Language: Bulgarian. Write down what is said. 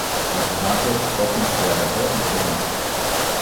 Непознатият тропна с тоягата и тръгна.